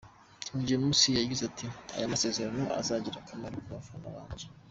King James yagize ati: “Aya masezerano azagira akamaro ku bafana banjye.